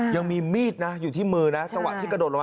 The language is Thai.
ยังมีมีดอยู่ที่มือนะสวัสดี